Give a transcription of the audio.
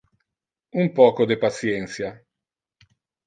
Un poco de patientia.